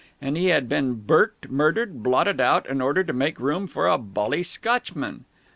And he had been burked, murdered, blotted out, in order to make room for a bally Scotchman.